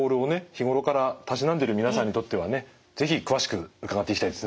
日頃からたしなんでいる皆さんにとってはね是非詳しく伺っていきたいですね！